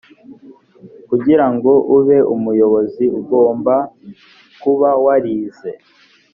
kugira ngo ube umuyobozi ugomba kuba warize